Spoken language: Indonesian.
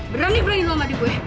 berani berani sama gue